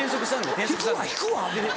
引くわ引くわもう。